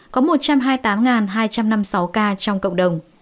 có một trăm hai mươi tám hai trăm năm mươi sáu ca trong cộng đồng